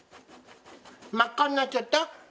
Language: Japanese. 真っ赤になっちゃった？